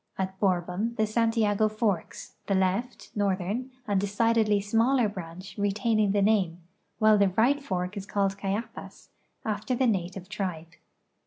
At Borhon the Santiago forks, the left (northern) and decidedl}' smaller branch retaining the name, while the right fork is called Cayapas, after the native tribe.